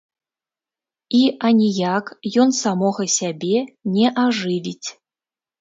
І аніяк ён самога сябе не ажывіць.